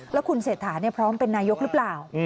แล้วคุณเศรษฐาพร้อมเป็นนายกหรือเปล่า